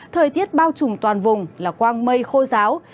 thời tiết bao trùm toàn vùng là quang mây khô giáo